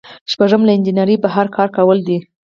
شپږم له انجنیری بهر کار کول دي.